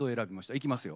いきますよ。